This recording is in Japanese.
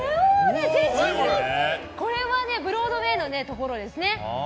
これはブロードウェーのところですね。